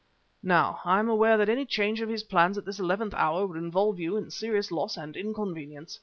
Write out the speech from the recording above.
"Now I am aware that any change of his plans at this eleventh hour would involve you in serious loss and inconvenience.